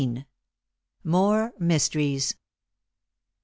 MORE MYSTERIES.